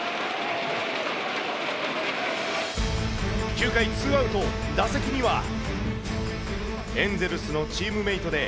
９回ツーアウト、打席には、エンゼルスのチームメートで、